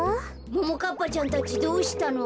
ももかっぱちゃんたちどうしたの？